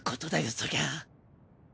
そりゃ。